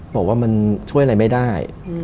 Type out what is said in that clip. บอกว่ามันช่วยอะไรไม่ได้